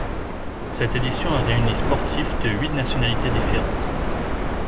Cette édition a réuni sportifs de huit nationalités différentes.